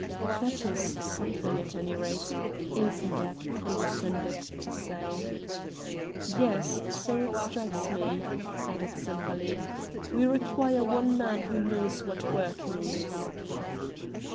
"That is something at any rate," Ilsenbergh condescended to say. "Yes, so it strikes me," added Sempaly; "we require one man who knows what work means."